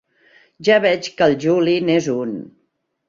Ja veig que el Juli n'és un.